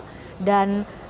dan di bandara tersebut